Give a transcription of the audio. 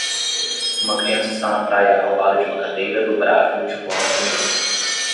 Uma criança está na praia ao lado de uma cadeira dobrável de lona vermelha.